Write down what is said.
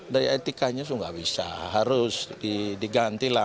dari etikanya nggak bisa harus diganti lah